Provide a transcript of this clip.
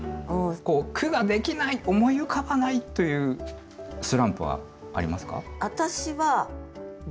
句が出来ない思い浮かばないというスランプはありますか？